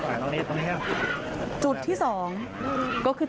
โชว์บ้านในพื้นที่เขารู้สึกยังไงกับเรื่องที่เกิดขึ้น